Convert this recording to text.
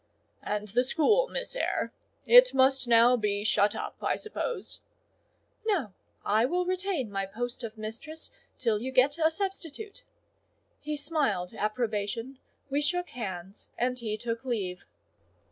"And the school, Miss Eyre? It must now be shut up, I suppose?" "No. I will retain my post of mistress till you get a substitute." He smiled approbation: we shook hands, and he took leave.